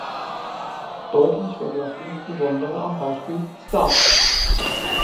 Deutlich werde das insbesondere am Beispiel "Starbucks".